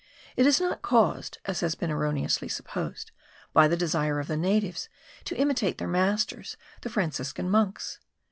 It is not caused, as had been erroneously supposed, by the desire of the natives to imitate their masters, the Franciscan monks.